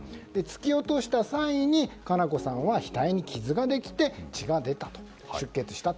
突き落とした際に佳菜子さんは額に傷ができて血が出た、出血した。